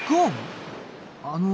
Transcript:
あの。